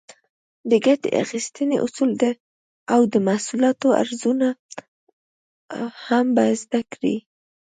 د ګټې اخیستنې اصول او د محصولاتو ارزونه به هم زده کړئ.